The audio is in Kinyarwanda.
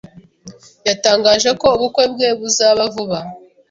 yatangaje ko ubukwe bwe buzaba vuba